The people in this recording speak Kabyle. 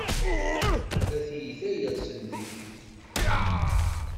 A tiyita yersen deg-k!